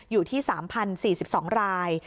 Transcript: อยู่ที่๓๐๔๒ราย